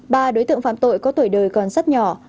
ba đối tượng phạm tội có tuổi đời còn rất nhỏ